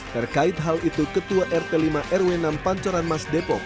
terkait hal itu ketua rt lima rw enam pancoran mas depok